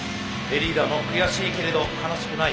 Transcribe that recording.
リーダーの「悔しいけれど悲しくない」